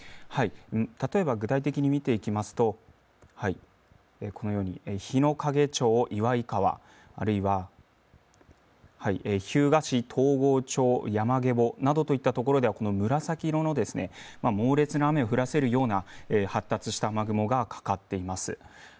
例えば、具体的に見ていきますとこのように日之影町岩井川あるいは日向市東郷町山影茂などと、いったところ紫色の猛烈な雨を降らせるような発達した雨雲がかかっています。